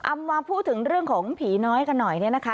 มาพูดถึงเรื่องของผีน้อยกันหน่อยเนี่ยนะคะ